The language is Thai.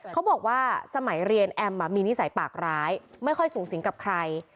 เขาบอกว่าสมัยเรียนแอมมีนิสัยปากร้ายไม่ค่อยสูงสิงกับใคร